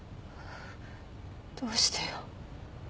どうしてよ？